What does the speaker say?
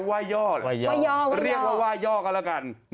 ว่ายอดเรียกว่าว่าย่อก็แล้วกัน